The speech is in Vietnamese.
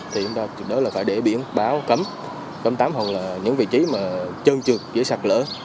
thì chúng ta phải để biển báo cấm tắm hoặc là những vị trí mà trơn trượt dễ sạc lỡ